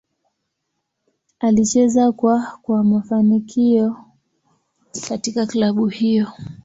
Alicheza kwa kwa mafanikio katika klabu hiyo.